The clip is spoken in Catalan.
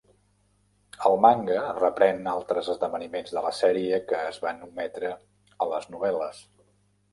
El manga reprèn altres esdeveniments de la sèrie que es van ometre a les novel·les.